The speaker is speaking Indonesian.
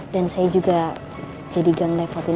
dan saya juga jadi gang lepotin